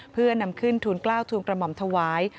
เพื่อนำขึ้นทุนกล้าวทูลกระหม่อมถวาย